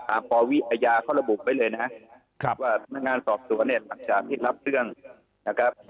ปวิอาญาเขาระบุไว้เลยนะครับว่าพนักงานสอบสวนเนี่ยหลังจากที่รับเรื่องนะครับ